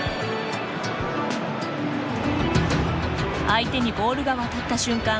相手にボールが渡った瞬間